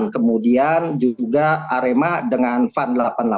kemudian juga arema dengan fun delapan puluh delapan